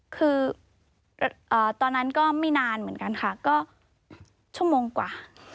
คือตอนนั้นก็ไม่นานเหมือนกันค่ะก็ชั่วโมงกว่า